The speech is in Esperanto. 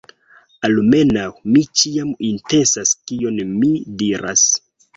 Almenaŭ, mi ĉiam intencas kion mi diras.